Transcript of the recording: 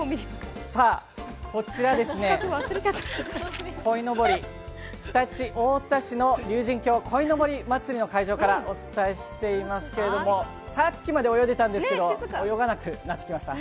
さあ、こちらこいのぼり常陸太田市の竜神峡鯉のぼりまつりの会場からお伝えしていますけれども、さっきまで泳いでいたんですけど、泳がなくなってしまいました。